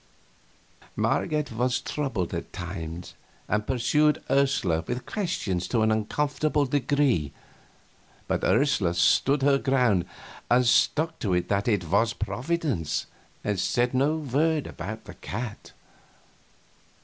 Marget was troubled at times, and pursued Ursula with questions to an uncomfortable degree; but Ursula stood her ground and stuck to it that it was Providence, and said no word about the cat.